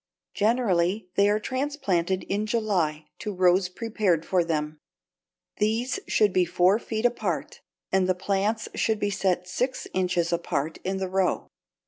Generally they are transplanted in July to rows prepared for them. These should be four feet apart, and the plants should be set six inches apart in the row.